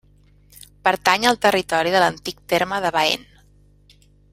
Pertany al territori de l'antic terme de Baén.